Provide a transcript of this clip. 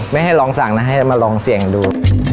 ไม่ให้ลองสั่งนะให้มาลองเสี่ยงดู